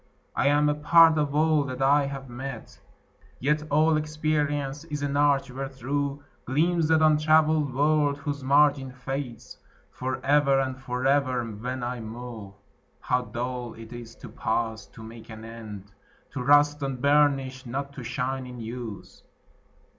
I am a part of all that I have met; Yet all experience is an arch wherethro' Gleams that untravell'd world whose margin fades For ever and forever when I move. How dull it is to pause, to make an end, To rust unburnish'd, not to shine in use!